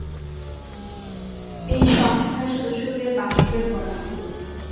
এই সংস্থার সদস্যদের বাসুদেব বলা হত।